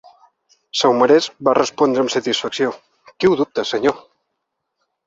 Saumarez va respondre amb satisfacció. Qui ho dubta, senyor?